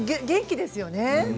元気ですよね。